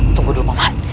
tunggu dulu paman